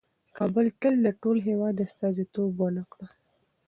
کابل تل د ټول هېواد استازیتوب ونه کړ.